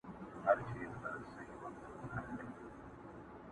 چاته که سکاره یمه اېرې یمه،